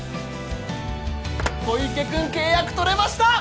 小池君契約取れました！